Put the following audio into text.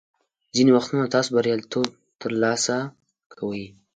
ځینې وختونه تاسو بریالیتوب ترلاسه کوئ.